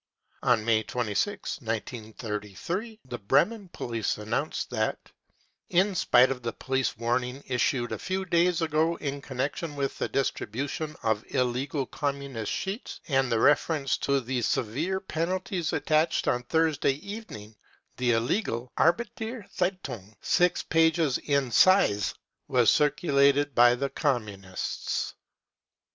..." On May 26th, 1933, the Bremen police announced that u In spite of the police warning issued a few days ago in connection with the distribution of illegal Communist sheets, and the reference to the severe penalties attached, on Thursday evening the illegal Arbeiter Z e ^ tun gy six pages in size, was circulated by the Communists.